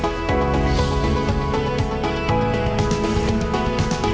kita harus memilih tanghan yang di stealing k korupan saya